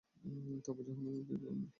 তারপর জাহান্নামের বিবরণ।